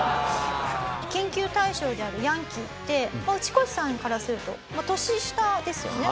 研究対象であるヤンキーってウチコシさんからすると年下ですよね。